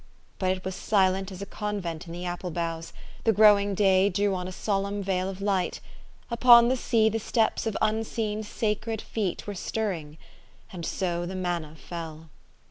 But it was silent as a convent in the apple boughs ; the growing day drew on a solemn veil of light ; upon the sea the steps of unseen sacred feet were stirring and so the manna fell.